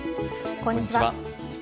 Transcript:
こんにちは。